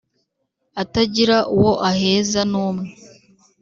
atagira uwo aheza numwe